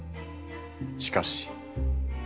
しかし。